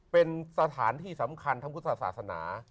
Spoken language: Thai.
เป็นสถานที่สำคัญทางพุทธศาสนา